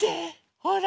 ほら。